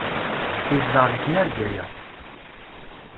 Yezdeɣ deg tnarga-ya.